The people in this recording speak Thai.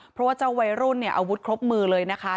เพราะว่าเจ้าวัยรุ่นเนี่ยอาวุธครบมือเลยนะคะ